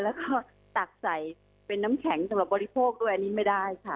แล้วก็ตักใส่เป็นน้ำแข็งสำหรับบริโภคด้วยอันนี้ไม่ได้ค่ะ